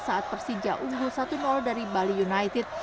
saat persija unggul satu dari bali united